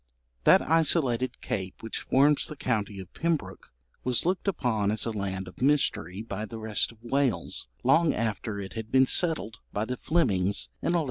] That isolated cape which forms the county of Pembroke was looked upon as a land of mystery by the rest of Wales long after it had been settled by the Flemings in 1113.